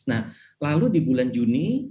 nah lalu di bulan juni